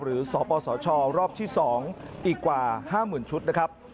สปสชรอบที่๒อีกกว่า๕๐๐๐ชุดนะครับ